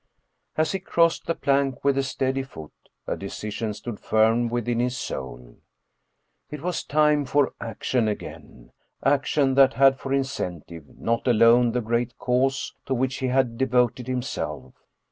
As he crossed the plank with a steady foot, a decision stood firm within his soul. It was time for action again; action that had for incentive not alone the great cause to which he had devoted himself.